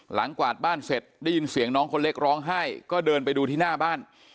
กวาดบ้านเสร็จได้ยินเสียงน้องคนเล็กร้องไห้ก็เดินไปดูที่หน้าบ้าน